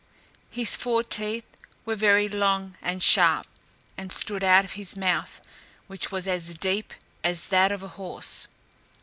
His fore teeth were very long and sharp, and stood out of his mouth, which was as deep as that of a horse.